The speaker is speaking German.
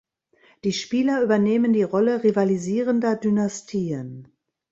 Die Spieler übernehmen die Rolle rivalisierender Dynastien.